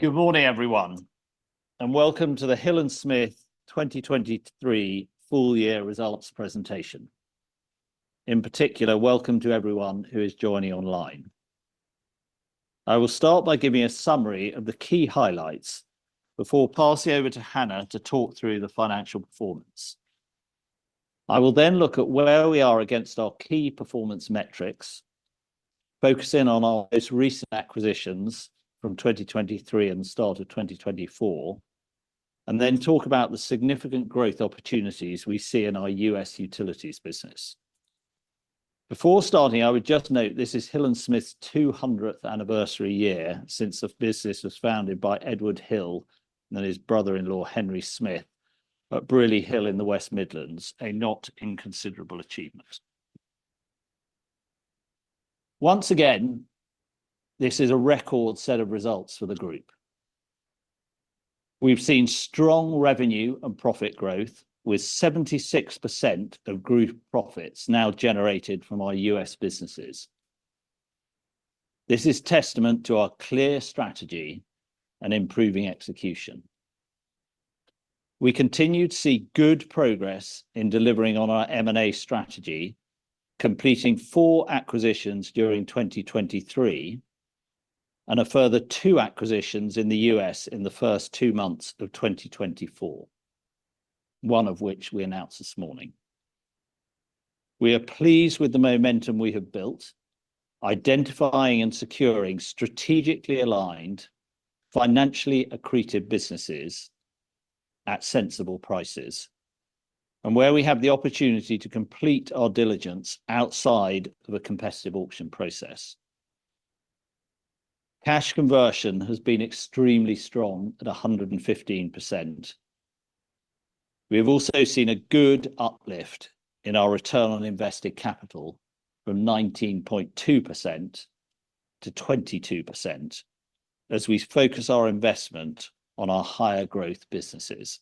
Good morning, everyone, and welcome to the Hill & Smith 2023 full year results presentation. In particular, welcome to everyone who is joining online. I will start by giving a summary of the key highlights before passing over to Hannah to talk through the financial performance. I will then look at where we are against our key performance metrics, focus in on our most recent acquisitions from 2023 and the start of 2024, and then talk about the significant growth opportunities we see in our US utilities business. Before starting, I would just note this is Hill & Smith's 200th anniversary year since the business was founded by Edward Hill and then his brother-in-law, Henry Smith in Brierley Hill in the West Midlands, a not inconsiderable achievement. Once again, this is a record set of results for the group. We've seen strong revenue and profit growth with 76% of group profits now generated from our U.S. businesses. This is testament to our clear strategy. Improving execution. We continue to see good progress in delivering on our M&A strategy, completing four acquisitions during 2023. A further two acquisitions in the U.S. in the first two months of 2024. One of which we announced this morning. We are pleased with the momentum we have built, identifying and securing strategically aligned, financially accretive businesses at sensible prices where we have the opportunity to complete our diligence outside of a competitive auction process. Cash conversion has been extremely strong at 115%. We have also seen a good uplift in our return on invested capital from 19.2% to 22%. As we focus our investment on our higher growth businesses.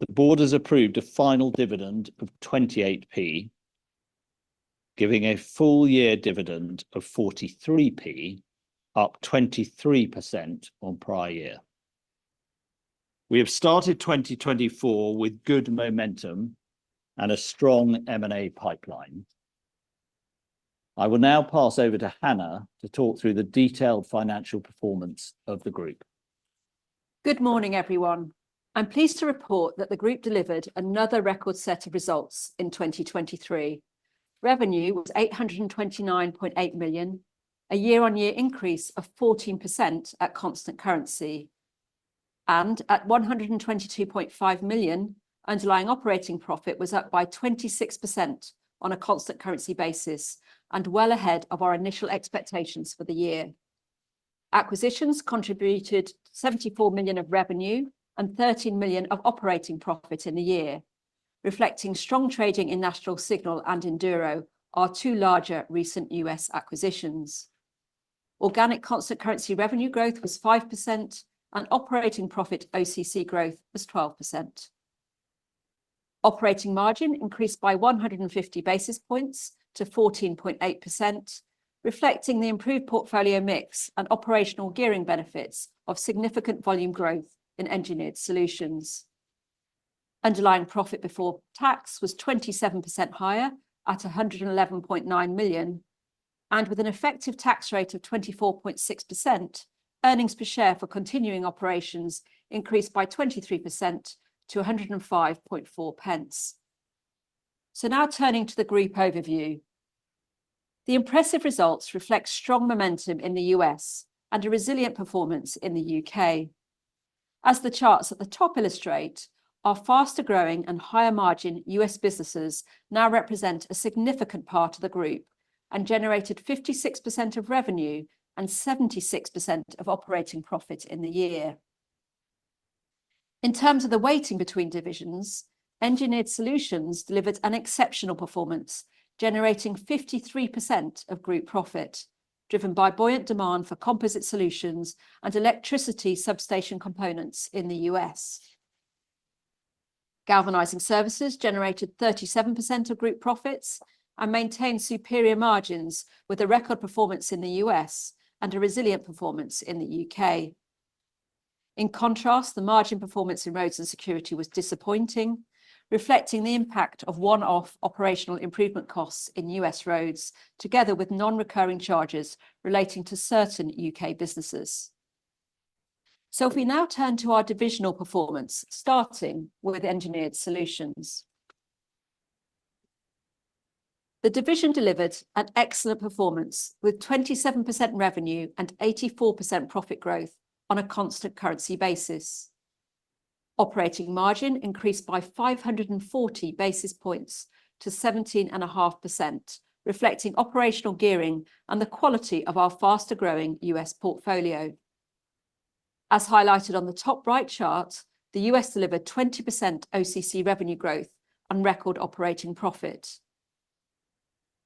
The board has approved a final dividend of 28p. Giving a full year dividend of 43p. Up 23% on prior year. We have started 2024 with good momentum and a strong M&A pipeline. I will now pass over to Hannah to talk through the detailed financial performance of the group. Good morning, everyone. I'm pleased to report that the group delivered another record set of results in 2023. Revenue was 829.8 million. A year-on-year increase of 14% at constant currency. And at 122.5 million, underlying operating profit was up by 26% on a constant currency basis. And well ahead of our initial expectations for the year. Acquisitions contributed 74 million of revenue and 13 million of operating profit in the year. Reflecting strong trading in National Signal and Enduro are two larger recent US acquisitions. Organic constant currency revenue growth was 5% and operating profit OCC growth was 12%. Operating margin increased by 150 basis points to 14.8%. Reflecting the improved portfolio mix and operational gearing benefits of significant volume growth in engineered solutions. Underlying profit before tax was 27% higher at 111.9 million. And with an effective tax rate of 24.6%. Earnings per share for continuing operations increased by 23% to 1.054. Now turning to the group overview. The impressive results reflect strong momentum in the U.S. and a resilient performance in the U.K. As the charts at the top illustrate, our faster growing and higher margin U.S. businesses now represent a significant part of the group. Generated 56% of revenue and 76% of operating profit in the year. In terms of the weighting between divisions, Engineered Solutions delivered an exceptional performance. Generating 53% of group profit. Driven by buoyant demand for composite solutions and electricity substation components in the U.S. Galvanizing Services generated 37% of group profits. Maintained superior margins with a record performance in the U.S. and a resilient performance in the U.K. In contrast, the margin performance in Roads & Security was disappointing. Reflecting the impact of one-off operational improvement costs in US Roads, together with non-recurring charges relating to certain UK businesses. So if we now turn to our divisional performance, starting with Engineered Solutions. The division delivered an excellent performance with 27% revenue and 84% profit growth on a constant currency basis. Operating margin increased by 540 basis points to 17.5%, reflecting operational gearing and the quality of our faster growing US portfolio. As highlighted on the top right chart, the US delivered 20% OCC revenue growth and record operating profit.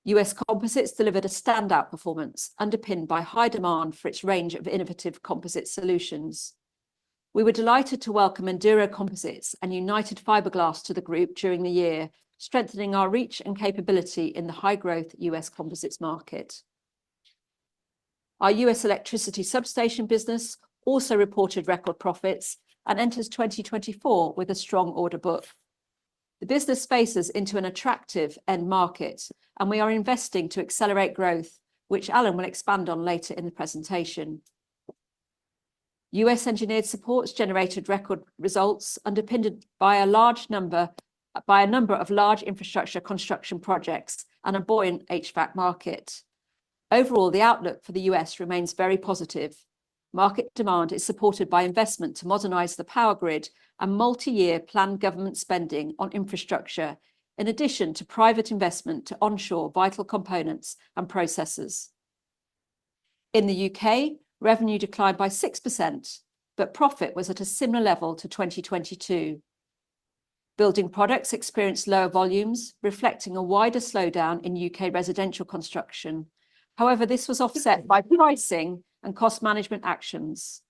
US Composites delivered a standout performance underpinned by high demand for its range of innovative composite solutions. We were delighted to welcome Enduro Composites and United Fiberglass to the group during the year. Our U.S. electricity substation business also reported record profits and enters 2024 with a strong order book. The business faces into an attractive end market, and we are investing to accelerate growth, which Alan will expand on later in the presentation. U.S. Engineered Supports generated record results underpinned by a large number of large infrastructure construction projects and a buoyant HVAC market. Overall, the outlook for the U.S. remains very positive. Market demand is supported by investment to modernize the power grid and multi-year planned government spending on infrastructure, in addition to private investment to onshore vital components and processes. In the U.K., revenue declined by 6%. Profit was at a similar level to 2022. Building Products experienced lower volumes, reflecting a wider slowdown in U.K. residential construction. However, this was offset by pricing and cost management actions.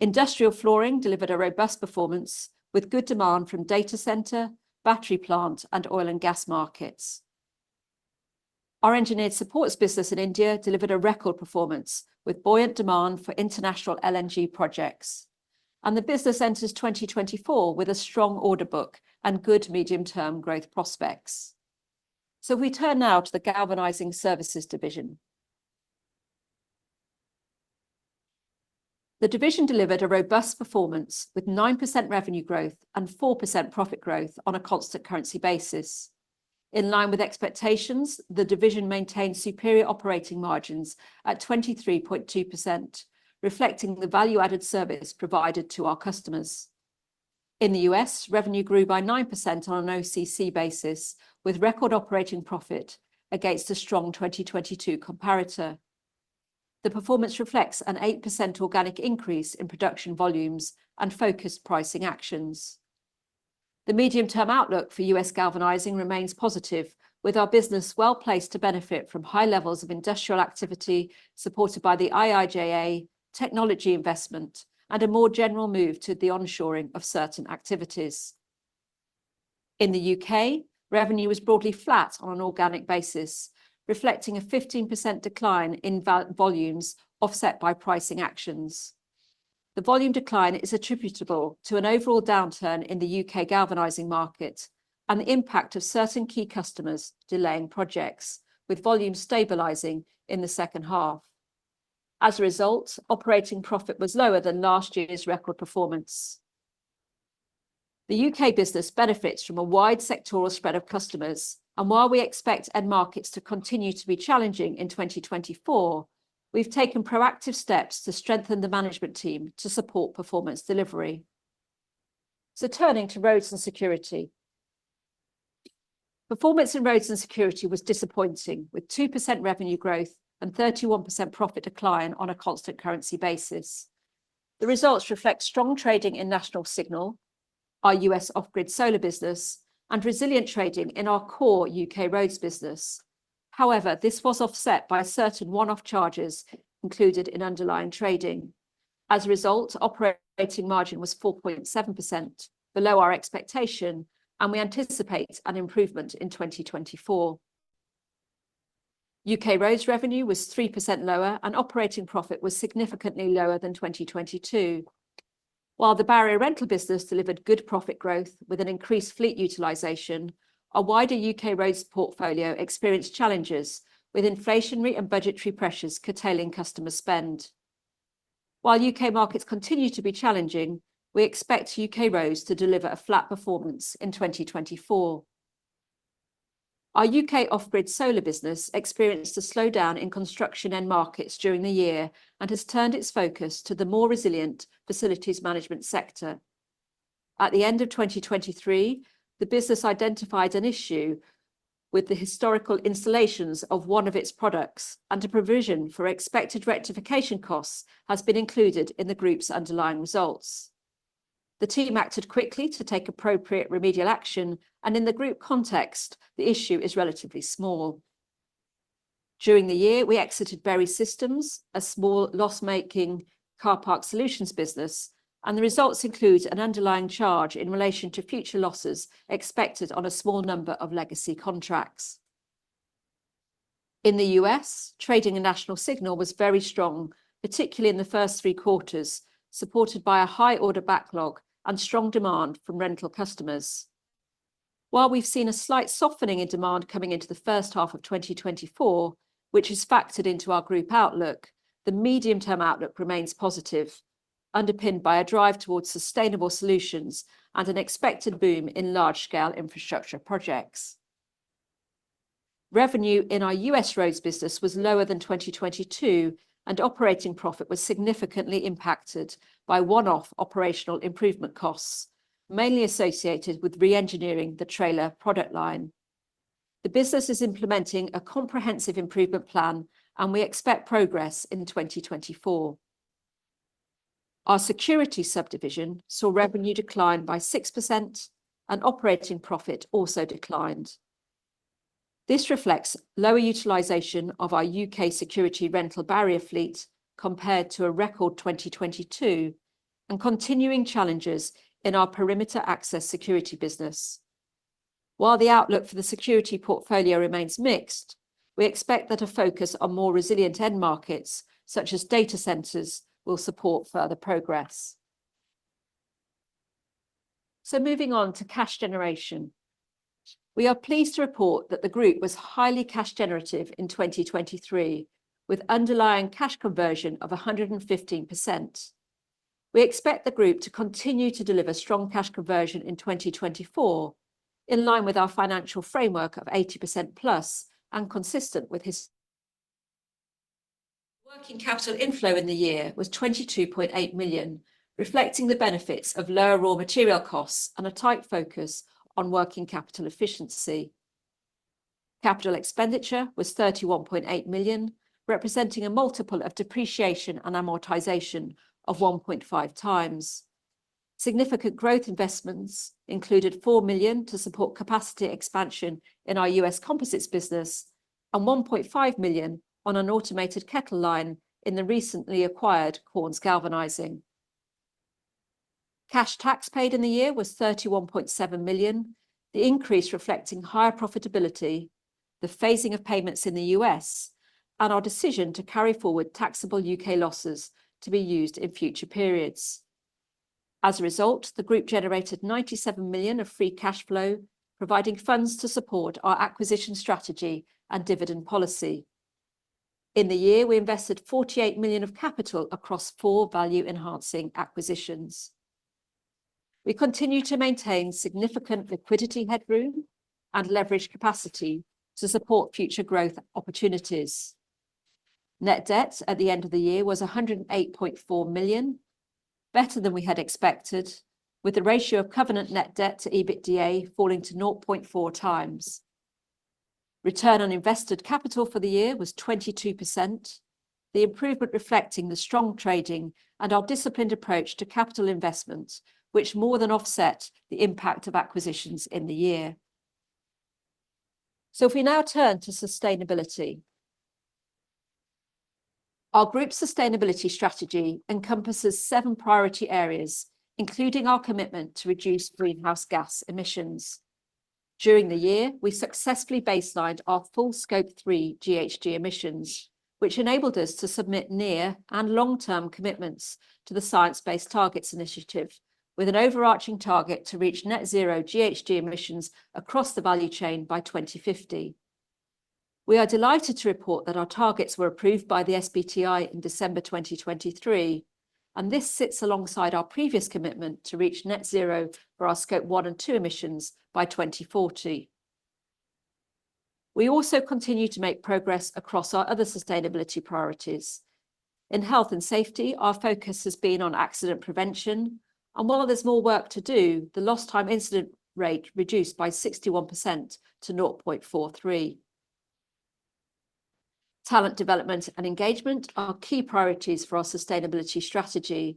Industrial Flooring delivered a robust performance with good demand from data center, battery plant, and oil and gas markets. Our Engineered Supports business in India delivered a record performance with buoyant demand for international LNG projects. The business enters 2024 with a strong order book and good medium-term growth prospects. If we turn now to the Galvanizing Services division. The division delivered a robust performance with 9% revenue growth and 4% profit growth on a constant currency basis. In line with expectations, the division maintained superior operating margins at 23.2%. Reflecting the value added service provided to our customers. In the U.S., revenue grew by 9% on an OCC basis with record operating profit against a strong 2022 comparator. The performance reflects an 8% organic increase in production volumes and focused pricing actions. The medium-term outlook for US galvanizing remains positive, with our business well placed to benefit from high levels of industrial activity supported by the IIJA technology investment and a more general move to the onshoring of certain activities. In the UK, revenue was broadly flat on an organic basis, reflecting a 15% decline in volumes offset by pricing actions. The volume decline is attributable to an overall downturn in the UK galvanizing market. The impact of certain key customers delaying projects, with volume stabilizing in the second half. As a result, operating profit was lower than last year's record performance. The UK business benefits from a wide sectoral spread of customers, and while we expect end markets to continue to be challenging in 2024. We've taken proactive steps to strengthen the management team to support performance delivery. Turning to Roads & Security. Performance in Roads & Security was disappointing with 2% revenue growth and 31% profit decline on a constant currency basis. The results reflect strong trading in National Signal. Our U.S. off-grid solar business and resilient trading in our core U.K. Roads business. However, this was offset by certain one-off charges included in underlying trading. As a result, operating margin was 4.7%, below our expectation, and we anticipate an improvement in 2024. U.K. Roads revenue was 3% lower and operating profit was significantly lower than 2022. While the barrier rental business delivered good profit growth with an increased fleet utilization, a wider U.K. Roads portfolio experienced challenges with inflationary and budgetary pressures curtailing customer spend. While U.K. markets continue to be challenging, we expect U.K. Roads to deliver a flat performance in 2024. Our UK off-grid solar business experienced a slowdown in construction and markets during the year and has turned its focus to the more resilient facilities management sector. At the end of 2023, the business identified an issue with the historical installations of one of its products, and a provision for expected rectification costs has been included in the group's underlying results. The team acted quickly to take appropriate remedial action, and in the group context, the issue is relatively small. During the year, we exited Berry Systems, a small loss-making car park solutions business, and the results include an underlying charge in relation to future losses expected on a small number of legacy contracts. In the US, trading at National Signal was very strong, particularly in the first three quarters, supported by a high order backlog and strong demand from rental customers. While we've seen a slight softening in demand coming into the first half of 2024, which is factored into our group outlook, the medium-term outlook remains positive. Underpinned by a drive towards sustainable solutions and an expected boom in large-scale infrastructure projects. Revenue in our U.S. roads business was lower than 2022, and operating profit was significantly impacted by one-off operational improvement costs. Mainly associated with re-engineering the trailer product line. The business is implementing a comprehensive improvement plan, and we expect progress in 2024. Our security subdivision saw revenue decline by 6%. Operating profit also declined. This reflects lower utilization of our U.K. security rental barrier fleet compared to a record 2022. Continuing challenges in our perimeter access security business. While the outlook for the security portfolio remains mixed, we expect that a focus on more resilient end markets, such as data centers, will support further progress. Moving on to cash generation. We are pleased to report that the group was highly cash generative in 2023, with underlying cash conversion of 115%. We expect the group to continue to deliver strong cash conversion in 2024. In line with our financial framework of 80%+ and consistent with history. Working capital inflow in the year was 22.8 million, reflecting the benefits of lower raw material costs and a tight focus on working capital efficiency. Capital expenditure was 31.8 million, representing a multiple of depreciation and amortization of 1.5x. Significant growth investments included 4 million to support capacity expansion in our U.S. Composites business and 1.5 million on an automated kettle line in the recently acquired Corns Galvanizing. Cash tax paid in the year was 31.7 million. The increase, reflecting higher profitability. The phasing of payments in the U.S. Our decision to carry forward taxable UK losses to be used in future periods. As a result, the group generated 97 million of free cash flow, providing funds to support our acquisition strategy and dividend policy. In the year, we invested 48 million of capital across four value-enhancing acquisitions. We continue to maintain significant liquidity headroom. Leverage capacity to support future growth opportunities. Net debt at the end of the year was 108.4 million. Better than we had expected, with the ratio of covenant net debt to EBITDA falling to 0.4 times. Return on invested capital for the year was 22%. The improvement reflecting the strong trading and our disciplined approach to capital investment, which more than offset the impact of acquisitions in the year. If we now turn to sustainability. Our group's sustainability strategy encompasses seven priority areas, including our commitment to reduce greenhouse gas emissions. During the year, we successfully baselined our full Scope 3 GHG emissions, which enabled us to submit near- and long-term commitments to the Science Based Targets initiative, with an overarching target to reach net 0 GHG emissions across the value chain by 2050. We are delighted to report that our targets were approved by the SBTi in December 2023. This sits alongside our previous commitment to reach net 0 for our Scope 1 and 2 emissions by 2040. We also continue to make progress across our other sustainability priorities. In health and safety, our focus has been on accident prevention. While there's more work to do, the lost time incident rate reduced by 61% to 0.43. Talent development and engagement are key priorities for our sustainability strategy.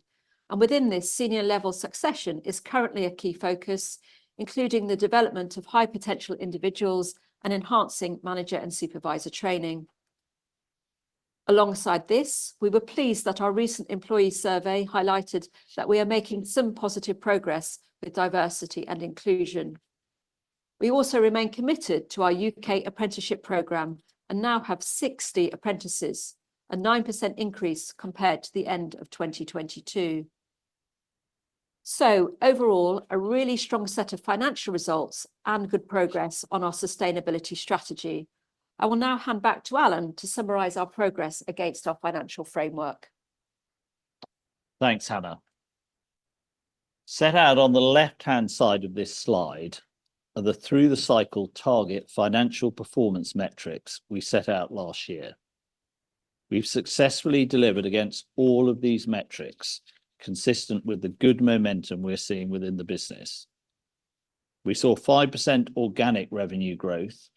And within this, senior level succession is currently a key focus, including the development of high potential individuals and enhancing manager and supervisor training. Alongside this, we were pleased that our recent employee survey highlighted that we are making some positive progress with diversity and inclusion. We also remain committed to our UK apprenticeship program and now have 60 apprentices, a 9% increase compared to the end of 2022. So overall, a really strong set of financial results and good progress on our sustainability strategy. I will now hand back to Alan to summarize our progress against our financial framework. Thanks, Hannah. Set out on the left-hand side of this slide are the through-the-cycle target financial performance metrics we set out last year. We've successfully delivered against all of these metrics, consistent with the good momentum we're seeing within the business. We saw 5% organic revenue growth.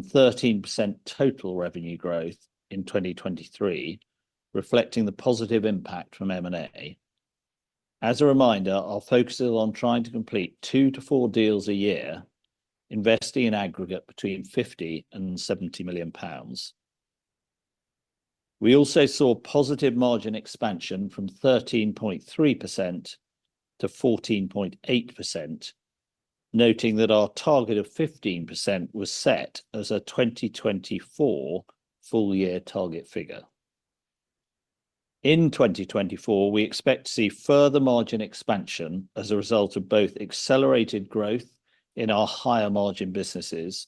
13% total revenue growth in 2023, reflecting the positive impact from M&A. As a reminder, our focus is on trying to complete 2-4 deals a year. Investing an aggregate between 50 million and 70 million pounds. We also saw positive margin expansion from 13.3%-14.8%. Noting that our target of 15% was set as a 2024 full-year target figure. In 2024, we expect to see further margin expansion as a result of both accelerated growth in our higher margin businesses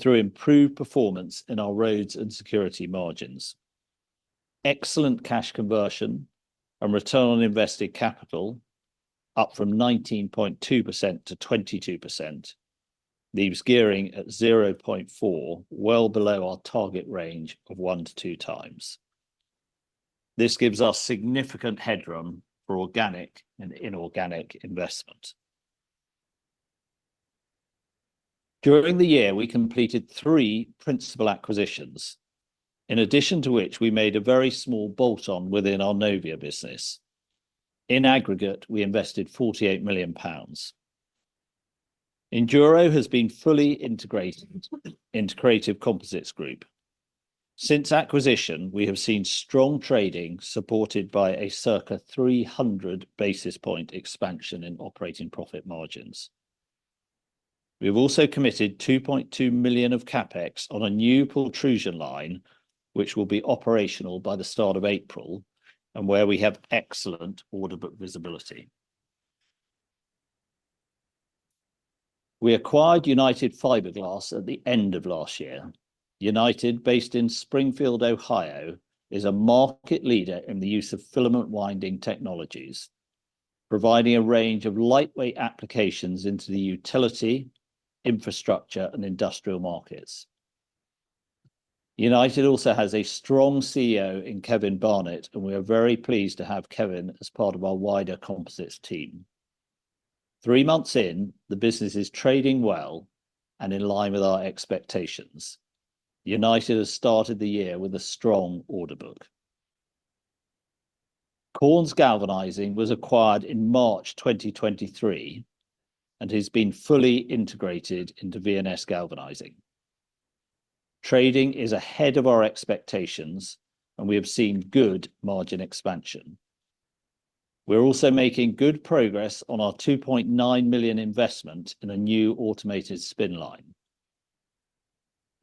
through improved performance in our Roads & Security margins. Excellent cash conversion and return on invested capital up from 19.2%-22%. Leaves gearing at 0.4, well below our target range of 1-2 times. This gives us significant headroom for organic and inorganic investment. During the year, we completed 3 principal acquisitions. In addition to which we made a very small bolt-on within our Novia business. In aggregate, we invested 48 million pounds. Enduro has been fully integrated into Creative Composites Group. Since acquisition, we have seen strong trading supported by a circa 300 basis point expansion in operating profit margins. We've also committed 2.2 million of CapEx on a new pultrusion line, which will be operational by the start of April, and where we have excellent order book visibility. We acquired United Fiberglass at the end of last year. United, based in Springfield, Ohio, is a market leader in the use of filament winding technologies, providing a range of lightweight applications into the utility, infrastructure, and industrial markets. United also has a strong CEO in Kevin Barnett, and we are very pleased to have Kevin as part of our wider composites team. 3 months in, the business is trading well. In line with our expectations. United has started the year with a strong order book. Corns Galvanizing was acquired in March 2023 and has been fully integrated into V&S Galvanizing. Trading is ahead of our expectations. We have seen good margin expansion. We're also making good progress on our 2.9 million investment in a new automated spin line.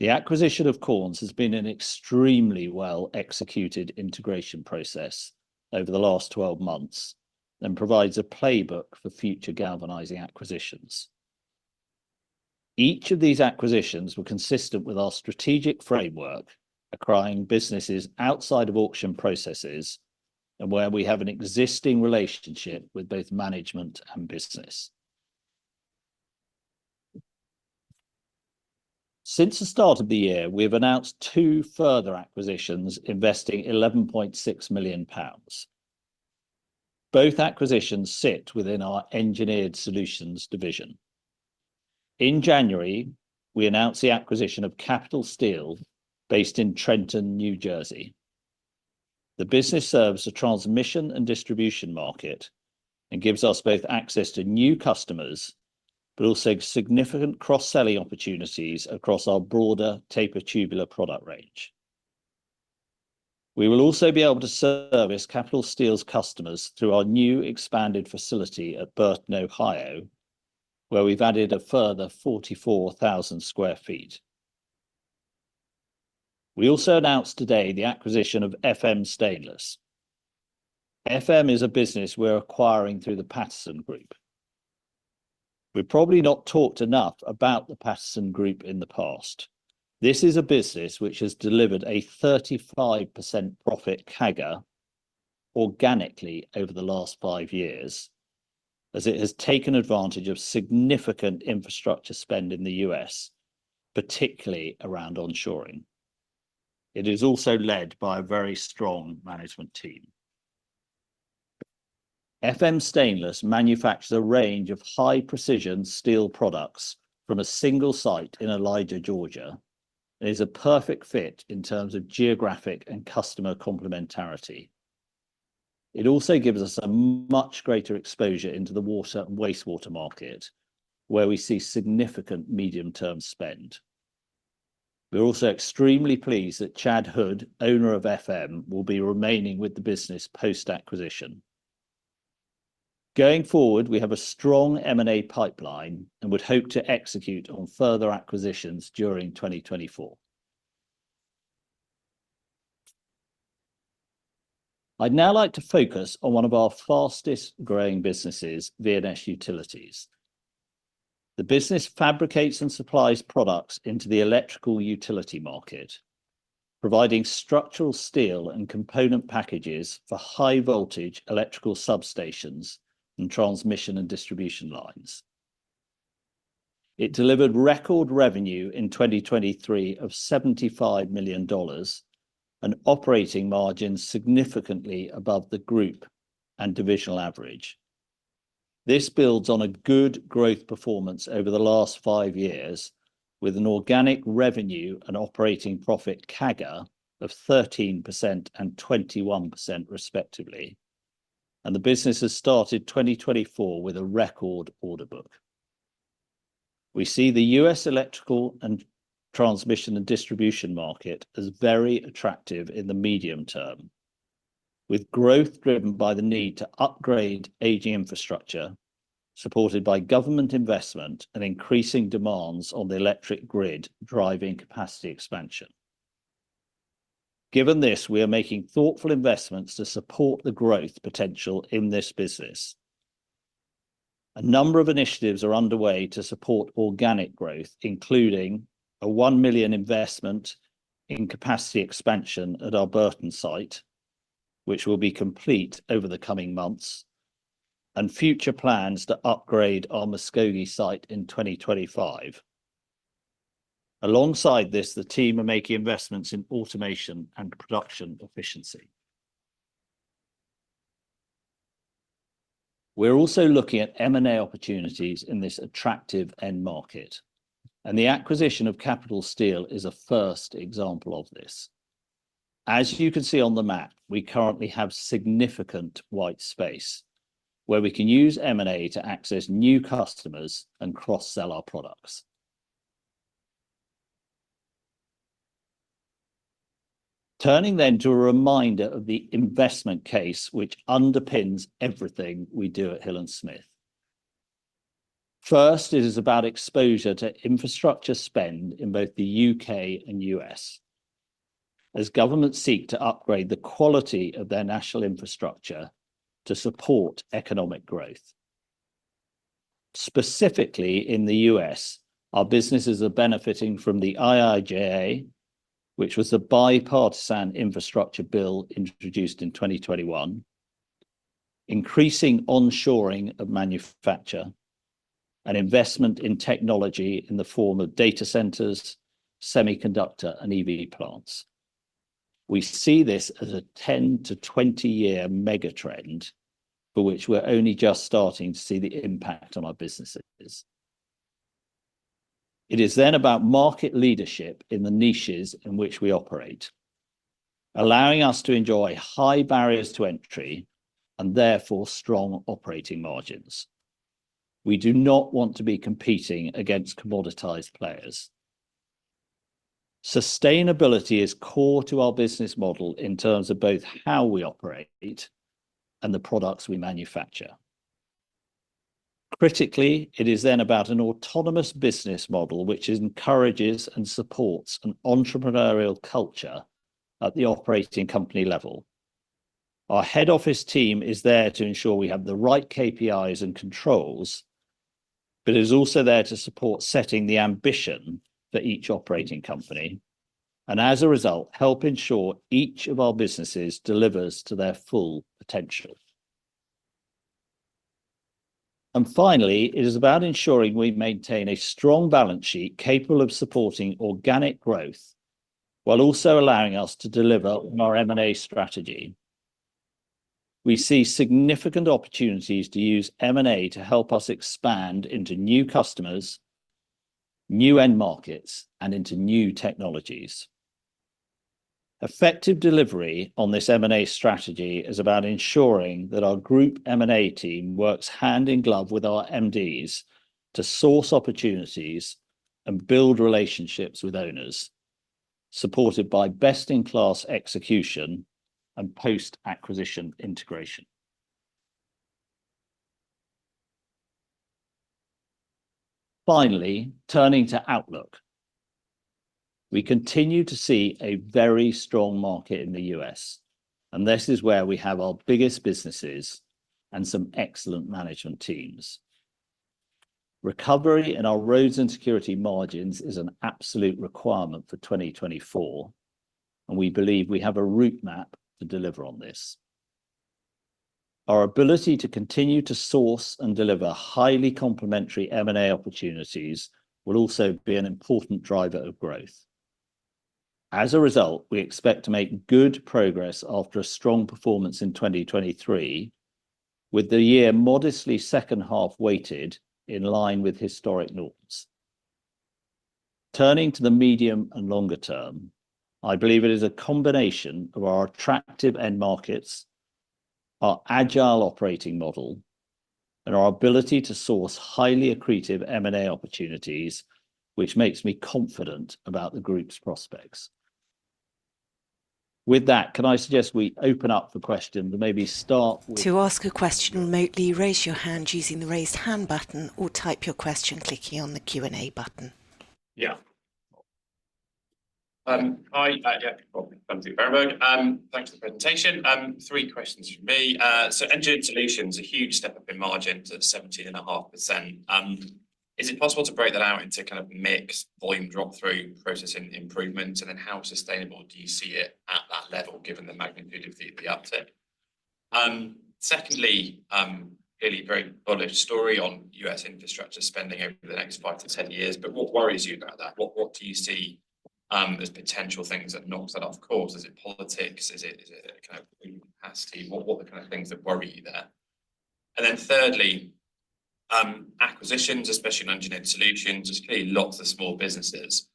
The acquisition of Corns has been an extremely well-executed integration process over the last 12 months and provides a playbook for future galvanizing acquisitions. Each of these acquisitions were consistent with our strategic framework, acquiring businesses outside of auction processes and where we have an existing relationship with both management and business. Since the start of the year, we have announced two further acquisitions investing 11.6 million pounds. Both acquisitions sit within our Engineered Solutions division. In January, we announced the acquisition of Capital Steel, based in Trenton, New Jersey. The business serves a transmission and distribution market. It gives us both access to new customers but also significant cross-selling opportunities across our broader taper tubular product range. We will also be able to service Capital Steel's customers through our new expanded facility at Burton, Ohio. We've added a further 44,000 sq ft. We also announced today the acquisition of FM Stainless. FM is a business we're acquiring through the Paterson Group. We've probably not talked enough about the Paterson Group in the past. This is a business which has delivered a 35% profit CAGR organically over the last five years. It has taken advantage of significant infrastructure spend in the U.S., particularly around onshoring. It is also led by a very strong management team. FM Stainless manufactures a range of high precision steel products from a single site in Ellijay, Georgia. It is a perfect fit in terms of geographic and customer complementarity. It also gives us a much greater exposure into the water and wastewater market where we see significant medium-term spend. We're also extremely pleased that Chad Hood, owner of FM, will be remaining with the business post-acquisition. Going forward, we have a strong M&A pipeline and would hope to execute on further acquisitions during 2024. I'd now like to focus on one of our fastest growing businesses, V&S Utilities. The business fabricates and supplies products into the electrical utility market, providing structural steel and component packages for high voltage electrical substations and transmission and distribution lines. It delivered record revenue in 2023 of $75 million. Operating margins significantly above the group and divisional average. This builds on a good growth performance over the last five years. With an organic revenue and operating profit CAGR of 13% and 21%, respectively. The business has started 2024 with a record order book. We see the U.S. electrical and transmission and distribution market as very attractive in the medium term. With growth driven by the need to upgrade aging infrastructure. Supported by government investment and increasing demands on the electric grid driving capacity expansion. Given this, we are making thoughtful investments to support the growth potential in this business. A number of initiatives are underway to support organic growth, including a 1 million investment in capacity expansion at our Burton site. Which will be complete over the coming months. Future plans to upgrade our Muskogee site in 2025. Alongside this, the team are making investments in automation and production efficiency. We're also looking at M&A opportunities in this attractive end market. The acquisition of Capital Steel is a first example of this. As you can see on the map, we currently have significant white space where we can use M&A to access new customers and cross-sell our products. Turning then to a reminder of the investment case which underpins everything we do at Hill & Smith. First, it is about exposure to infrastructure spend in both the U.K. and U.S. As governments seek to upgrade the quality of their national infrastructure to support economic growth. Specifically in the U.S., our businesses are benefiting from the IIJA, which was the bipartisan infrastructure bill introduced in 2021. Increasing onshoring of manufacture and investment in technology in the form of data centers, semiconductor and EV plants. We see this as a 10-20-year mega trend for which we're only just starting to see the impact on our businesses. It is then about market leadership in the niches in which we operate, allowing us to enjoy high barriers to entry and therefore strong operating margins. We do not want to be competing against commoditized players. Sustainability is core to our business model in terms of both how we operate and the products we manufacture. Critically, it is then about an autonomous business model which encourages and supports an entrepreneurial culture at the operating company level. Our head office team is there to ensure we have the right KPIs and controls but is also there to support setting the ambition for each operating company and as a result help ensure each of our businesses delivers to their full potential. Finally, it is about ensuring we maintain a strong balance sheet capable of supporting organic growth while also allowing us to deliver on our M&A strategy. We see significant opportunities to use M&A to help us expand into new customers, new end markets, and into new technologies. Effective delivery on this M&A strategy is about ensuring that our group M&A team works hand in glove with our MDs to source opportunities and build relationships with owners, supported by best-in-class execution and post-acquisition integration. Finally, turning to outlook. We continue to see a very strong market in the U.S., and this is where we have our biggest businesses and some excellent management teams. Recovery in our Roads & Security margins is an absolute requirement for 2024, and we believe we have a route map to deliver on this. Our ability to continue to source and deliver highly complementary M&A opportunities will also be an important driver of growth. As a result, we expect to make good progress after a strong performance in 2023. With the year modestly second half weighted in line with historic norms. Turning to the medium and longer term, I believe it is a combination of our attractive end markets, our agile operating model, and our ability to source highly accretive M&A opportunities, which makes me confident about the group's prospects. With that, can I suggest we open up for questions and maybe start with. To ask a question remotely, raise your hand using the raised hand button or type your question clicking on the Q&A button. Yeah. I, yeah, thanks for the presentation. Three questions from me. So engineered solutions, a huge step up in margin to 17.5%. Is it possible to break that out into kind of mixed volume drop through processing improvement, and then how sustainable do you see it at that level given the magnitude of the uptick? Secondly, really very bullish story on U.S. infrastructure spending over the next 5-10 years, but what worries you about that? What do you see as potential things that knock that off course? Is it politics? Is it kind of capacity? What are the kind of things that worry you there? And then thirdly, acquisitions, especially in engineered solutions, just lots of small businesses.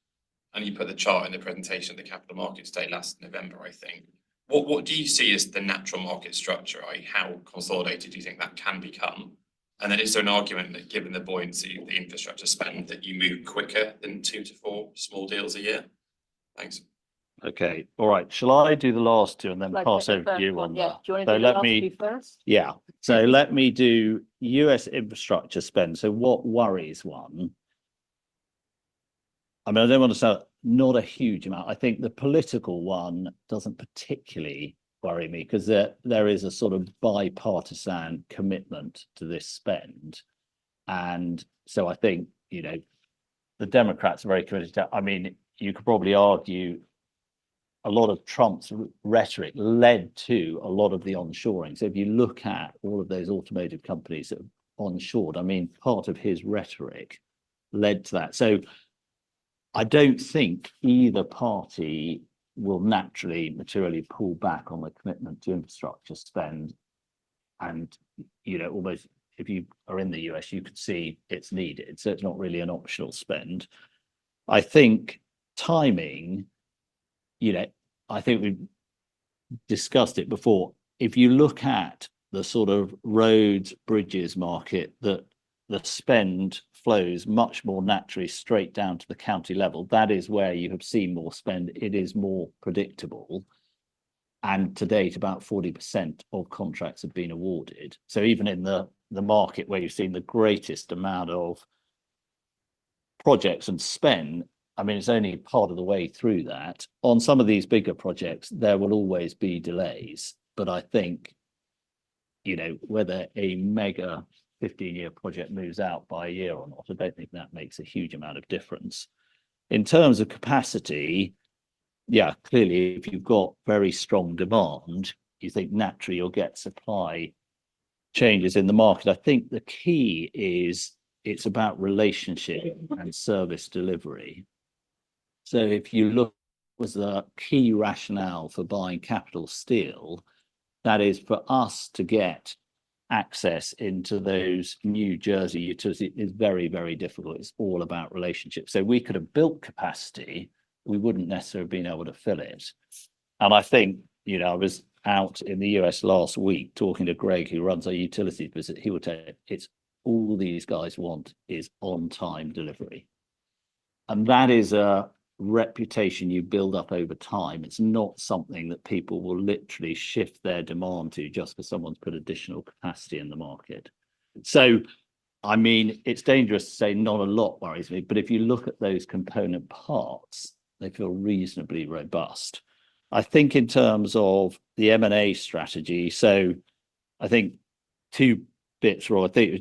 And you put the chart in the presentation of the Capital Markets Day last November, I think. What do you see as the natural market structure? How consolidated do you think that can become? And then is there an argument that given the buoyancy of the infrastructure spend that you move quicker than 2-4 small deals a year? Thanks. Okay, alright, shall I do the last 2 and then pass over to you on that? So let me. Yeah, so let me do U.S. infrastructure spend. So what worries one? I mean, I don't want to say not a huge amount. I think the political one doesn't particularly worry me because there is a sort of bipartisan commitment to this spend. And so I think, you know, the Democrats are very committed to, I mean, you could probably argue. A lot of Trump's rhetoric led to a lot of the onshoring. So if you look at all of those automotive companies that onshored, I mean, part of his rhetoric led to that. So I don't think either party will naturally materially pull back on the commitment to infrastructure spend. And you know, almost if you are in the US, you could see it's needed, so it's not really an optional spend. I think timing. You know, I think we discussed it before. If you look at the sort of roads, bridges market, that the spend flows much more naturally straight down to the county level. That is where you have seen more spend. It is more predictable. And to date, about 40% of contracts have been awarded. So even in the market where you've seen the greatest amount of projects and spend, I mean, it's only part of the way through that on some of these bigger projects. There will always be delays, but I think, you know, whether a mega 15-year project moves out by a year or not, I don't think that makes a huge amount of difference. In terms of capacity. Yeah, clearly, if you've got very strong demand, you think naturally you'll get supply changes in the market. I think the key is, it's about relationship and service delivery. So if you look, that was the key rationale for buying Capital Steel. That is, for us to get access into those New Jersey utilities is very, very difficult. It's all about relationship. So we could have built capacity. We wouldn't necessarily have been able to fill it. And I think, you know, I was out in the U.S. last week talking to Greg, who runs our utilities business. He would say it's all these guys want is on-time delivery. And that is a reputation you build up over time. It's not something that people will literally shift their demand to just because someone's put additional capacity in the market. So I mean, it's dangerous to say not a lot worries me, but if you look at those component parts, they feel reasonably robust. I think in terms of the M&A strategy. So I think 2 bits wrong. I think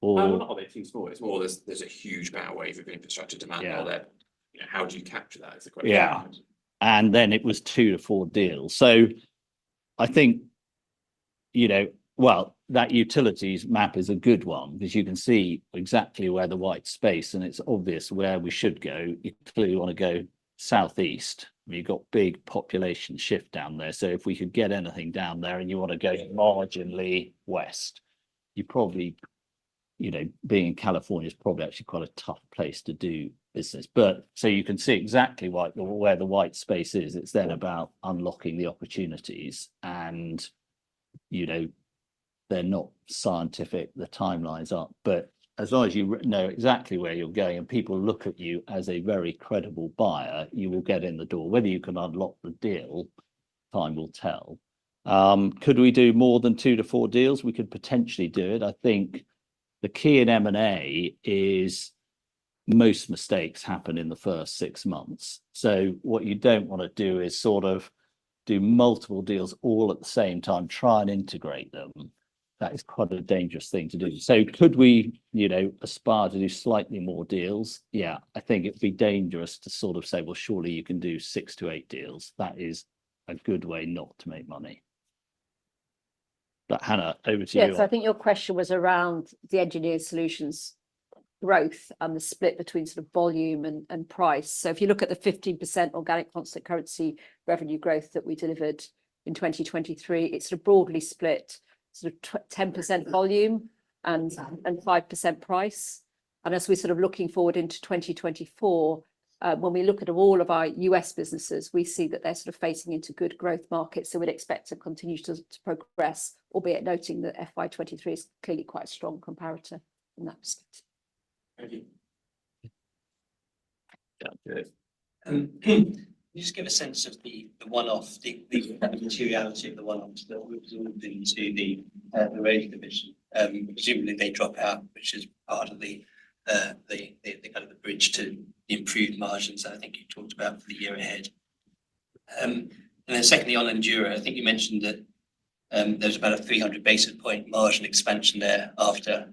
it was just a small dip. I mean, was the first one sort of small deals? Are they too small? No, are they too small? It's more there's a huge power wave of infrastructure demand out there. You know, how do you capture that? Is the question. Yeah, and then it was 2-4 deals. So I think, you know, well, that utilities map is a good one, because you can see exactly what where the white space, and it's obvious where we should go. You clearly want to go southeast. You've got big population shift down there. So if we could get anything down there and you want to go marginally west. You probably, you know, being in California is probably actually quite a tough place to do business. But so you can see exactly what where the white space is. It's then about unlocking the opportunities and you know they're not scientific. The timelines aren't, but as long as you know exactly where you're going, and people look at you as a very credible buyer, you will get in the door, whether you can unlock the deal. Time will tell. Could we do more than 2-4 deals? We could potentially do it. I think the key in M&A is most mistakes happen in the first 6 months. So what you don't want to do is sort of do multiple deals all at the same time, try and integrate them. That is quite a dangerous thing to do. So could we, you know, aspire to do slightly more deals? Yeah, I think it'd be dangerous to sort of say, well, surely you can do 6-8 deals. That is a good way not to make money. But Hannah, over to you. Yes, I think your question was around the engineered solutions. Growth and the split between sort of volume and price. So if you look at the 15% organic constant currency revenue growth that we delivered in 2023, it's sort of broadly split. Sort of 10% volume and and 5% price. And as we sort of looking forward into 2024. When we look at all of our U.S. businesses, we see that they're sort of facing into good growth markets. So we'd expect to continue to to progress, albeit noting that FY 2023 is clearly quite a strong comparator in that respect. Thank you. Yeah, good. Just give a sense of the one-off, the materiality of the one-offs that we've had in the Roads division. Presumably they drop out, which is part of the kind of bridge to the improved margins. I think you talked about for the year ahead. And then secondly, on Enduro, I think you mentioned that there's about a 300 basis point margin expansion there after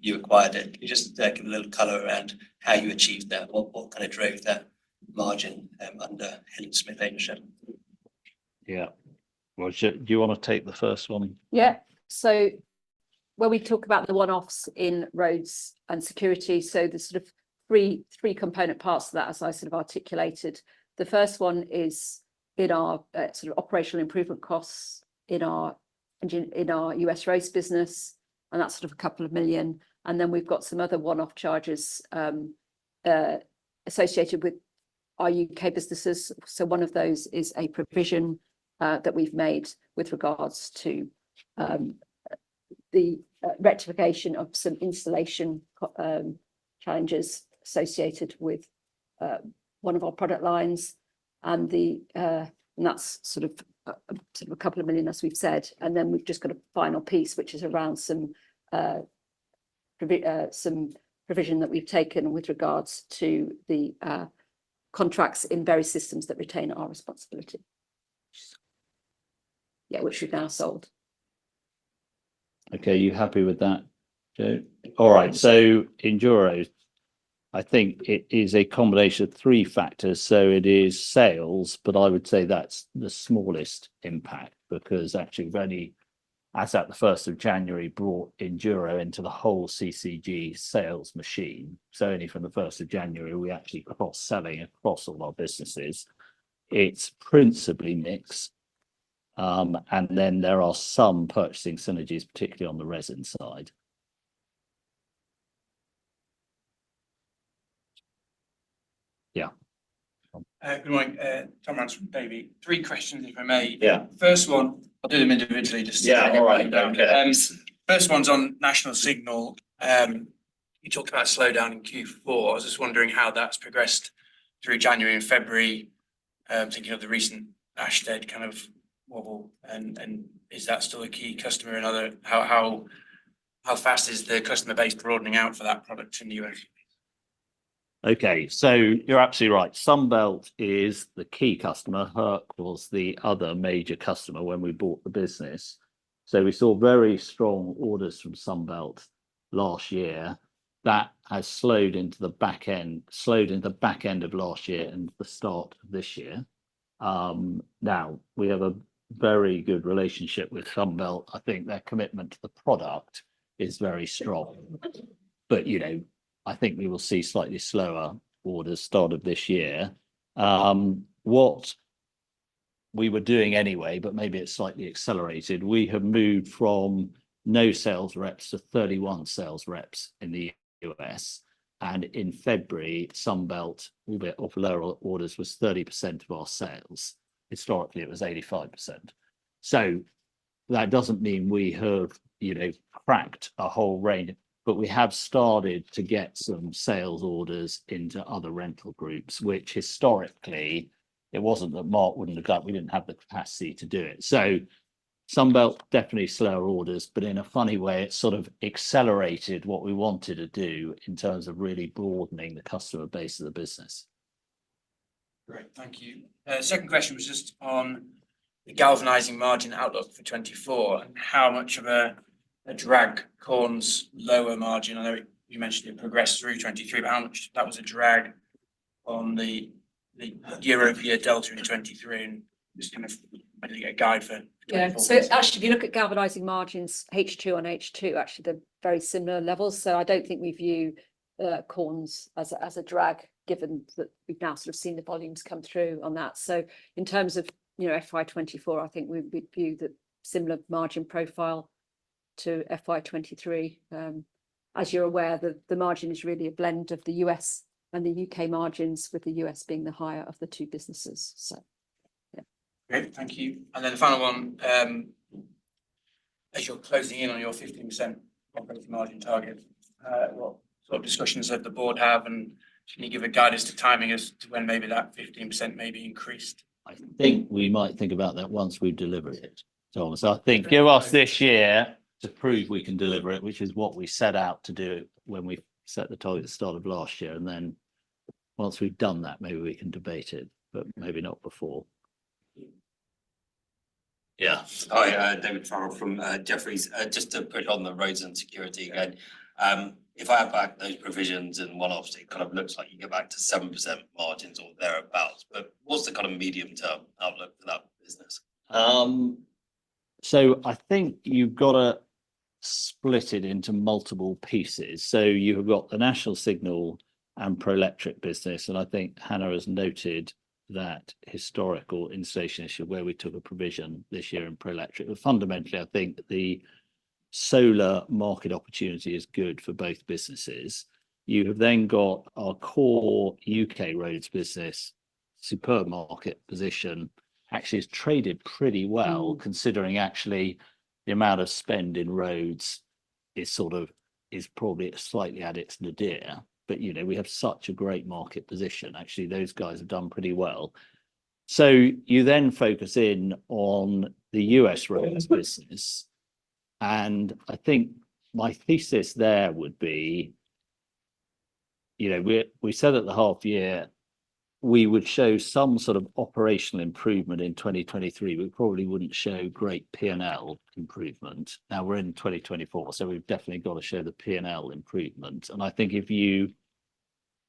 you acquired it. Just to give a little color around how you achieved that. What kind of drove that margin under Hill & Smith ownership? Yeah. Well, do you want to take the first one? Yeah. So when we talk about the one-offs in Roads & Security. So the sort of three component parts of that, as I sort of articulated. The first one is in our sort of operational improvement costs in our engine in our US Roads business. And that's sort of 2 million. And then we've got some other one-off charges associated with our UK businesses. So one of those is a provision that we've made with regards to the rectification of some installation challenges associated with one of our product lines. And that's sort of a couple of million, as we've said. And then we've just got a final piece, which is around some provision that we've taken with regards to the contracts in Berry Systems that retain our responsibility. Yeah, which we've now sold. Okay, you happy with that? Joe. Alright, so Enduro. I think it is a combination of three factors. So it is sales. But I would say that's the smallest impact, because actually very as at the 1st of January, brought Enduro into the whole CCG sales machine. So only from the 1st of January we actually cross selling across all our businesses. It's principally mix. And then there are some purchasing synergies, particularly on the resin side. Yeah. Good morning, Tom Davey, three questions, if I may. Yeah, first one. I'll do them individually just to get it right. First one's on National Signal. You talked about slowdown in Q4. I was just wondering how that's progressed through January and February. Thinking of the recent Ashtead kind of wobble. And and is that still a key customer? And other how how fast is the customer base broadening out for that product in the US? Okay, so you're absolutely right. Sunbelt is the key customer. Herc was the other major customer when we bought the business. So we saw very strong orders from Sunbelt last year that has slowed into the back end, slowed in the back end of last year and the start of this year. Now we have a very good relationship with Sunbelt. I think their commitment to the product is very strong. But you know, I think we will see slightly slower orders start of this year. What we were doing anyway, but maybe it's slightly accelerated. We have moved from no sales reps to 31 sales reps in the U.S. And in February, Sunbelt will be off lower orders was 30% of our sales. Historically, it was 85%. So that doesn't mean we have, you know, cracked a whole range, but we have started to get some sales orders into other rental groups, which historically it wasn't that Mark wouldn't have got. We didn't have the capacity to do it. So Sunbelt definitely slower orders, but in a funny way it sort of accelerated what we wanted to do in terms of really broadening the customer base of the business. Great. Thank you. Second question was just on the galvanizing margin outlook for 2024, and how much of a drag Corns lower margin. I know you mentioned it progressed through 2023, but how much that was a drag on the European delta in 2023, and just kind of really a guide for. Yeah. So actually, if you look at galvanizing margins, H2 and H2, actually the very similar levels. So I don't think we view Corns as a drag, given that we've now sort of seen the volumes come through on that. So in terms of, you know, FY 2024, I think we view that similar margin profile to FY 2023. As you're aware, the margin is really a blend of the U.S. and the U.K. margins, with the U.S. being the higher of the 2 businesses. So yeah. Great. Thank you. And then the final one. As you're closing in on your 15% operating margin target. What sort of discussions did the board have? And can you give a guidance to timing as to when maybe that 15% may be increased? I think we might think about that once we've delivered it. So I think give us this year to prove we can deliver it, which is what we set out to do when we set the target at the start of last year. And then once we've done that, maybe we can debate it, but maybe not before. Yeah. Hi, David from Jefferies. Just to put on the Roads & Security again. If I have back those provisions and one-offs, it kind of looks like you get back to 7% margins or thereabouts. But what's the kind of medium term outlook for that business? So I think you've got to split it into multiple pieces. So you have got the National Signal and Prolectric business. And I think Hannah has noted that historical installation issue where we took a provision this year in Prolectric. But fundamentally, I think the solar market opportunity is good for both businesses. You have then got our core UK Roads business. Supermarket position actually has traded pretty well, considering actually the amount of spend in roads is sort of probably slightly at its nadir. But you know we have such a great market position. Actually, those guys have done pretty well. So you then focus in on the US Roads business. And I think my thesis there would be, you know, we said at the half year we would show some sort of operational improvement in 2023. We probably wouldn't show great P&L improvement. Now we're in 2024. So we've definitely got to show the P&L improvement. And I think if you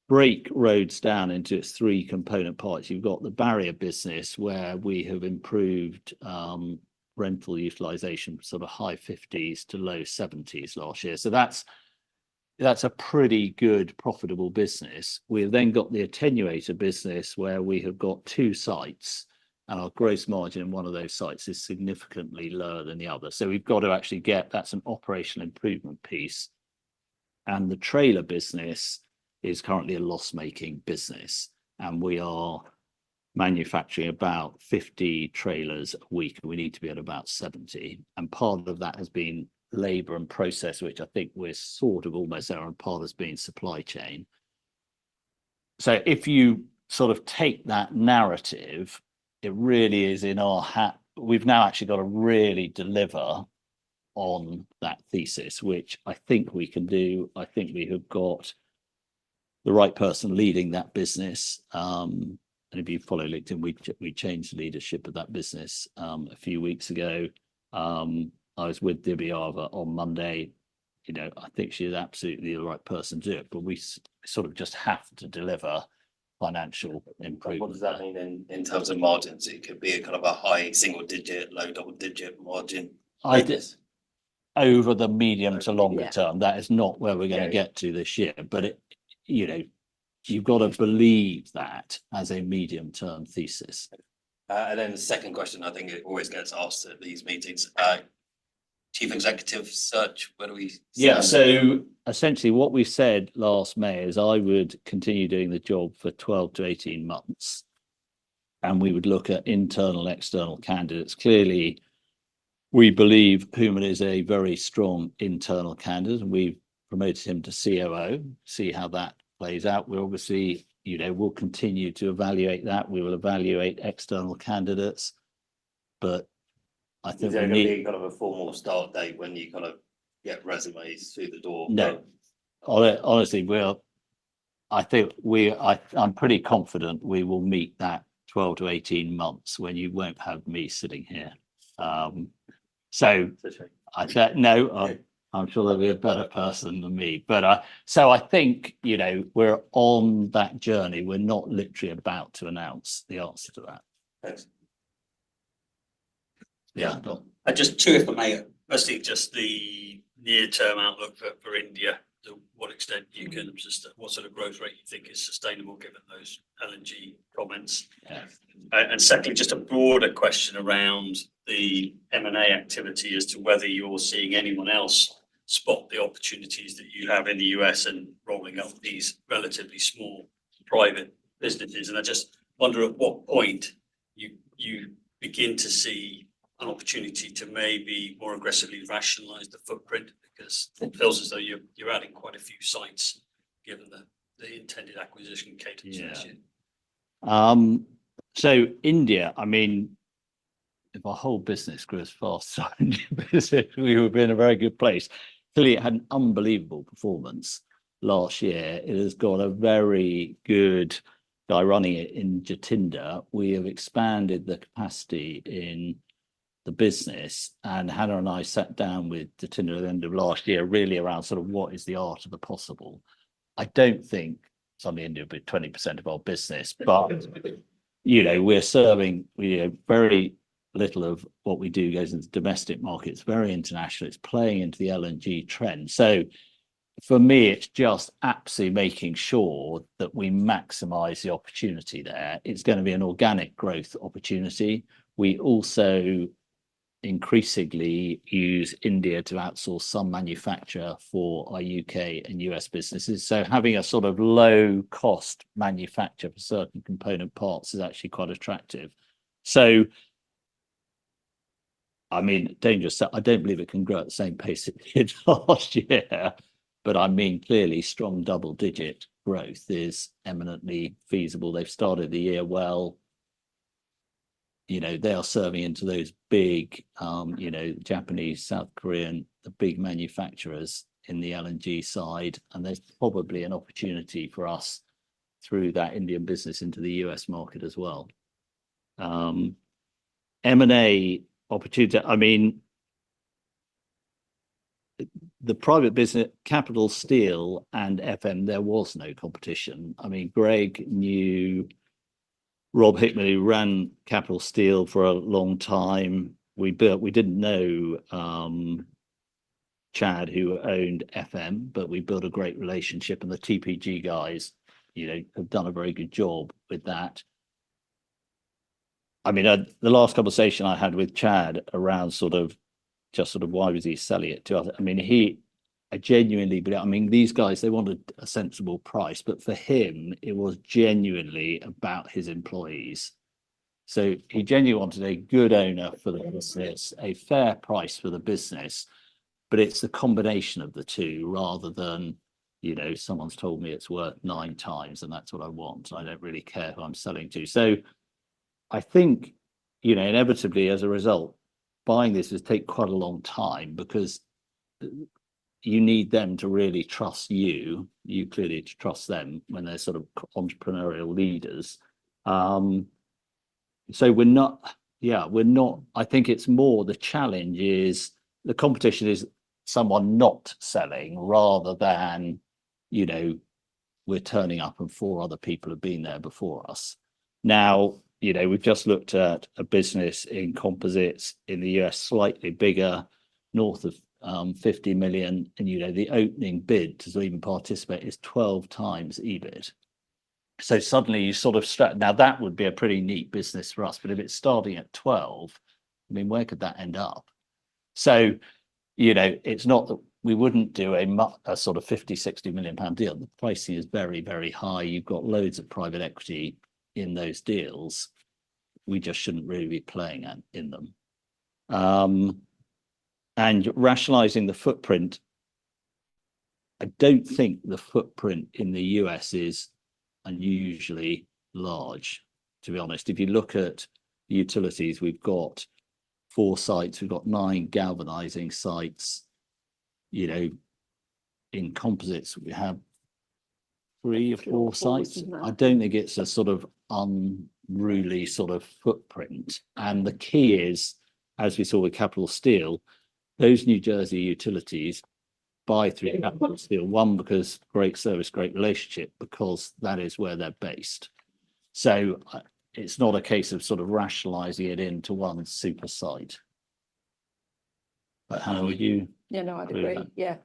break roads down into its three component parts, you've got the barrier business where we have improved rental utilization from sort of high 50s to low 70s last year. So that's that's a pretty good profitable business. We have then got the attenuator business where we have got two sites. And our gross margin in one of those sites is significantly lower than the other. So we've got to actually get that's an operational improvement piece. And the trailer business is currently a loss-making business, and we are manufacturing about 50 trailers a week, and we need to be at about 70. And part of that has been labor and process, which I think we're sort of almost there, and part has been supply chain. So if you sort of take that narrative, it really is in our hands. We've now actually got to really deliver on that thesis, which I think we can do. I think we have got the right person leading that business. And if you follow LinkedIn, we changed leadership of that business a few weeks ago. I was with Debbie Avar on Monday. You know, I think she's absolutely the right person to do it, but we sort of just have to deliver financial improvement. What does that mean in terms of margins? It could be a kind of a high single digit, low double digit margin. Over the medium to longer term. That is not where we're going to get to this year. But it, you know, you've got to believe that as a medium term thesis. Then the second question I think it always gets asked at these meetings. Chief executive search. Where do we? Yeah. So essentially what we said last May is I would continue doing the job for 12-18 months. And we would look at internal external candidates. Clearly we believe Hooman is a very strong internal candidate, and we've promoted him to COO. See how that plays out. We obviously, you know, will continue to evaluate that. We will evaluate external candidates. But I think. There's gonna be kind of a formal start date when you kind of get resumes through the door. No. Honestly, I think we're pretty confident we will meet that 12-18 months when you won't have me sitting here. So I said, no, I'm sure there'll be a better person than me. But so I think, you know, we're on that journey. We're not literally about to announce the answer to that. Thanks. Yeah. Just 2, if I may. Firstly, just the near-term outlook for India. To what extent you can sustain? What sort of growth rate you think is sustainable, given those LNG comments? Yeah. And secondly, just a broader question around the M&A activity as to whether you're seeing anyone else spot the opportunities that you have in the U.S. and rolling up these relatively small private businesses. And I just wonder at what point you begin to see an opportunity to maybe more aggressively rationalize the footprint, because it feels as though you're adding quite a few sites, given the intended acquisition cadence this year. India, I mean. If our whole business grew as fast, we would be in a very good place. Clearly, it had an unbelievable performance last year. It has got a very good guy running it in Jatinder. We have expanded the capacity in the business, and Hannah and I sat down with Jatinder at the end of last year, really around sort of what is the art of the possible? I don't think it's only India with 20% of our business. But you know we're serving, you know, very little of what we do goes into domestic markets, very international. It's playing into the LNG trend. For me, it's just absolutely making sure that we maximize the opportunity there. It's going to be an organic growth opportunity. We also increasingly use India to outsource some manufacture for our UK and US businesses. So having a sort of low cost manufacture for certain component parts is actually quite attractive. So I mean, dangerous. I don't believe it can grow at the same pace it did last year. But I mean, clearly strong double digit growth is eminently feasible. They've started the year well. You know they are serving into those big, you know, Japanese, South Korean, the big manufacturers in the LNG side, and there's probably an opportunity for us through that Indian business into the US market as well. M&A opportunity. I mean, the private business, Capital Steel and FM. There was no competition. I mean, Greg knew Rob Hickman who ran Capital Steel for a long time. We built. We didn't know Chad, who owned FM, but we built a great relationship, and the TPG guys, you know, have done a very good job with that. I mean, the last conversation I had with Chad around sort of just sort of why was he selling it to us? I mean, he genuinely. But I mean, these guys, they wanted a sensible price. But for him it was genuinely about his employees. So he genuinely wanted a good owner for the business, a fair price for the business. But it's a combination of the 2, rather than, you know, someone's told me it's worth 9 times, and that's what I want. I don't really care who I'm selling to. So I think, you know, inevitably, as a result, buying this is take quite a long time, because you need them to really trust you. You clearly trust them when they're sort of entrepreneurial leaders. So we're not. Yeah, we're not. I think it's more the challenge is the competition is someone not selling, rather than, you know, we're turning up, and 4 other people have been there before us. Now, you know, we've just looked at a business in composites in the US, slightly bigger, north of $50 million. And you know the opening bid to even participate is 12x EBIT. So suddenly you sort of now that would be a pretty neat business for us. But if it's starting at 12, I mean, where could that end up? So you know it's not that we wouldn't do a sort of 50 million-60 million pound deal. The pricing is very, very high. You've got loads of private equity in those deals. We just shouldn't really be playing in them. And rationalizing the footprint. I don't think the footprint in the US is unusually large, to be honest. If you look at utilities, we've got 4 sites. We've got 9 galvanizing sites. You know, in composites we have 3 or 4 sites. I don't think it's a sort of unruly sort of footprint. The key is, as we saw with Capital Steel, those New Jersey utilities buy through Capital Steel. One, because great service, great relationship, because that is where they're based. So it's not a case of sort of rationalizing it into one super site. But Hannah, would you? Yeah, no, I'd agree. Yeah.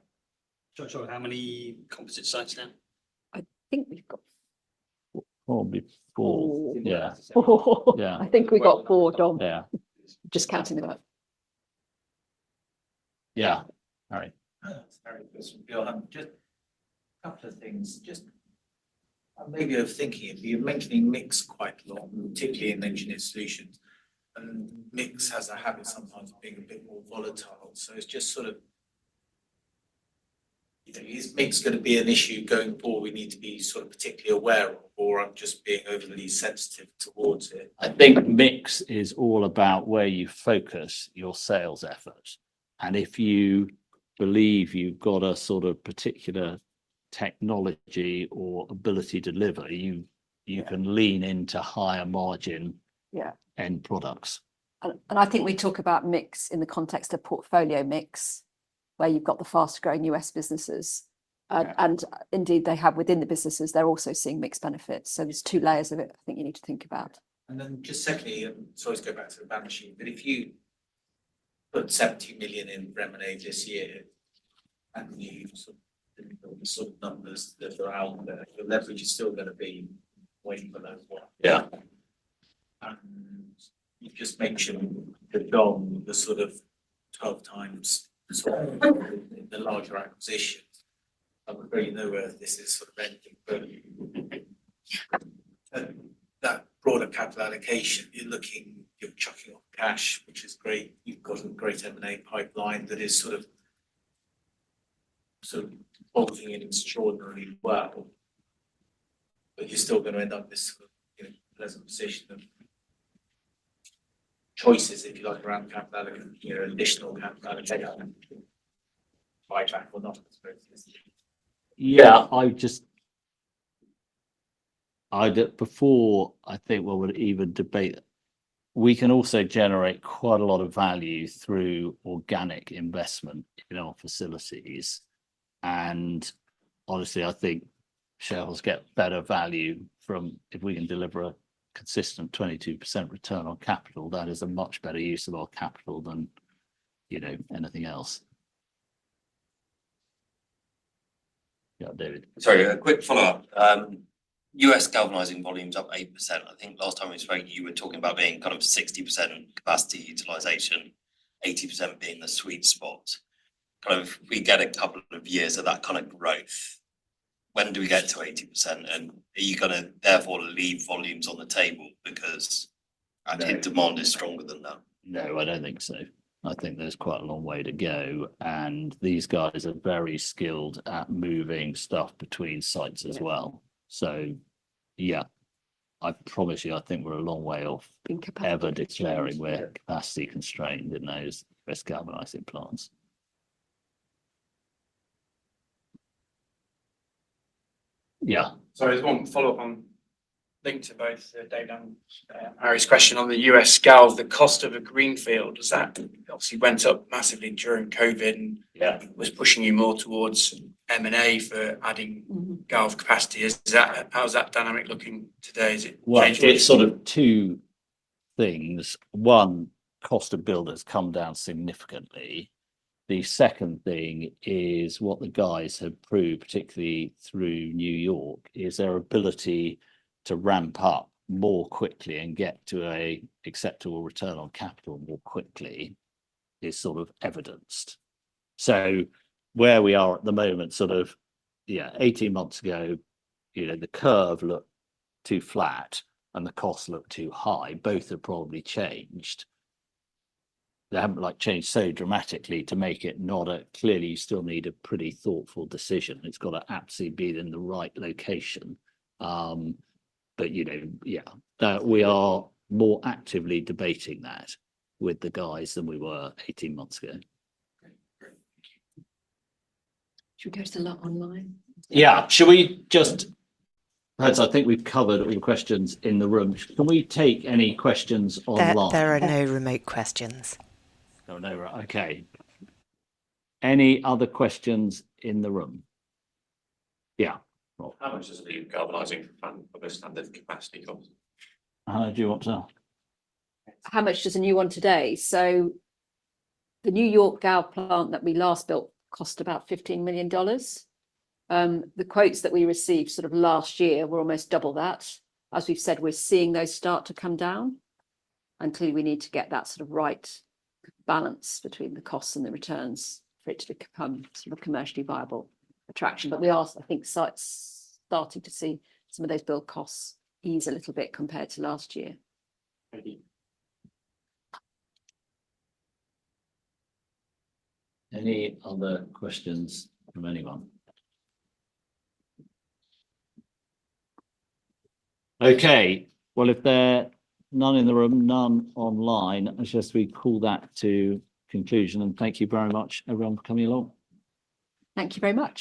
How many composite sites now? I think we've got probably 4. Yeah. Yeah, I think we got 4. Done just counting it up. Yeah. All right. Bill, just a couple of things. Just maybe of thinking it. You're mentioning mix quite a lot, particularly in engineered solutions. And mix has a habit sometimes of being a bit more volatile. So it's just sort of, you know, is mix going to be an issue going forward? We need to be sort of particularly aware of, or I'm just being overly sensitive towards it. I think mix is all about where you focus your sales efforts. If you believe you've got a sort of particular technology or ability to deliver, you can lean into higher margin yeah end products. I think we talk about mix in the context of portfolio mix, where you've got the fast growing U.S. businesses. Indeed they have within the businesses. They're also seeing mixed benefits. There's 2 layers of it. I think you need to think about. And then just secondly, so I always go back to the balance sheet. But if you put 70 million in revenue this year, and you sort of the sort of numbers that are out there, your leverage is still going to be way below one. Yeah. You just mentioned the one, the sort of 12 times the larger acquisition. I'm afraid you know where this is sort of ending. But that broader capital allocation, you're looking, you're chucking off cash, which is great. You've got a great M&A pipeline that is sort of sort of holding in extraordinarily well. But you're still going to end up in this sort of, you know, pleasant position of choices, if you like, around capital, you know, additional capital. Buyback or not. Yeah, before, I think, what we'll even debate. We can also generate quite a lot of value through organic investment in our facilities. Honestly, I think shareholders get better value from if we can deliver a consistent 22% return on capital. That is a much better use of our capital than, you know, anything else. Yeah, David. Sorry, a quick follow-up. U.S. galvanizing volumes up 8%. I think last time it was right. You were talking about being kind of 60% capacity utilization, 80% being the sweet spot. Kind of if we get a couple of years of that kind of growth. When do we get to 80%? And are you gonna therefore leave volumes on the table? Because demand is stronger than that. No, I don't think so. I think there's quite a long way to go, and these guys are very skilled at moving stuff between sites as well. So yeah. I promise you, I think we're a long way off ever declaring we're capacity constrained in those U.S. galvanizing plants. Yeah. Sorry, there's one follow-up on, linked to both David and Harry's question on the U.S. galv. The cost of a greenfield. Is that obviously went up massively during COVID? Yeah, was pushing you more towards M&A for adding galv capacity. Is that? How's that dynamic looking today? Is it? Well, it's sort of 2 things. One, cost of builders come down significantly. The second thing is what the guys have proved, particularly through New York, is their ability to ramp up more quickly and get to an acceptable return on capital more quickly is sort of evidenced. So where we are at the moment, sort of, yeah, 18 months ago, you know, the curve looked too flat, and the cost looked too high. Both have probably changed. They haven't like changed so dramatically to make it not a clearly you still need a pretty thoughtful decision. It's got to absolutely be in the right location. But you know, yeah, we are more actively debating that with the guys than we were 18 months ago. Great. Thank you. Should we go to the line? Yeah, should we just? Perhaps I think we've covered all the questions in the room. Can we take any questions online? There are no remote questions. No, no. Okay. Any other questions in the room? Yeah. How much does a new galvanizing plant cost? And then capacity cost? Hannah, do you want to? How much does a new one today? So the New York galvanizing plant that we last built cost about $15 million. The quotes that we received sort of last year were almost double that. As we've said, we're seeing those start to come down. And clearly we need to get that sort of right balance between the costs and the returns for it to become sort of commercially viable attraction. But we are, I think, starting to see some of those build costs ease a little bit compared to last year. Any other questions from anyone? Okay. Well, if there's none in the room, none online, I guess we call that to conclusion. And thank you very much, everyone, for coming along. Thank you very much.